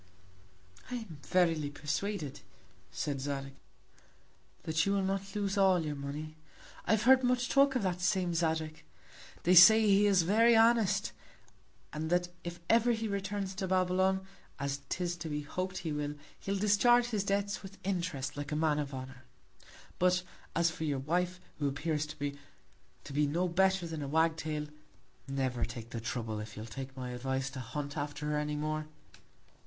I am verily persuaded, said Zadig, that you will not lose all your Money. I have heard much talk of that same Zadig; they say he is very honest, and that if ever he returns to Babylon, as 'tis to be hop'd he will, he'll discharge his Debts with Interest, like a Man of Honour. But, as for your Wife, who appears to me, to be no better than a Wag tail, never take the Trouble, if you'll take my Advice, to hunt after her any more.